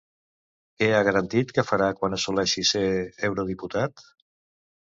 Què ha garantit que farà quan assoleixi ser eurodiputat?